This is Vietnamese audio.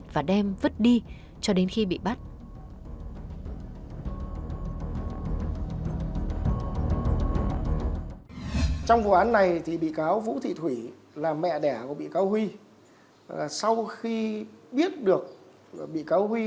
và bảo con chuộc xe máy